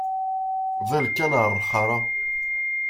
Ḍill kan ɣer lḥara!